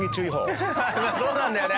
そうなんだよね。